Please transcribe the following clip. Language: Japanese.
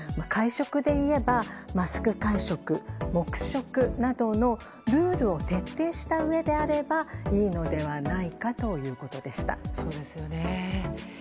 会食でいえばマスク会食、黙食などのルールを徹底したうえであればいいのではないかということでした。